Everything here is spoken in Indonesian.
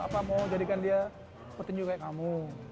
apa mau jadikan dia petinju kayak kamu